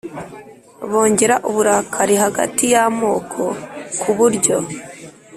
bongera uburakari hagati y'amoko ku buryo